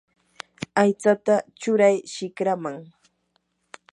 aychata churay shikraman.